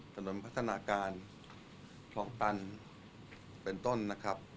ถนนพัฒนาการคลองตันเป็นต้นนะครับ